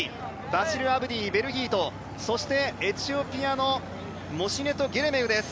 バシル・アブディ、ベルギーとそしてそしてエチオピアのモシネト・ゲレメウです。